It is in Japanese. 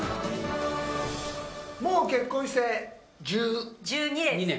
もう結婚して１２年。